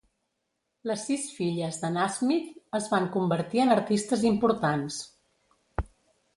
Les sis filles de Nasmyth es van convertir en artistes importants.